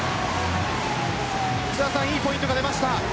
いいポイントが出ました。